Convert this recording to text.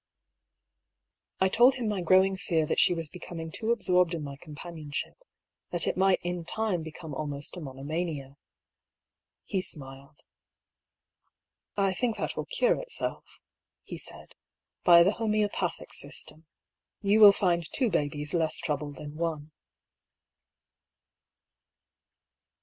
I told him my growing fear that she was becoming too absorbed in my companionship, that it might in time become almost a monomania. He smiled. " I think that will cure itself," he said, " by the homoeopathic system. You will find two babies less trouble than one."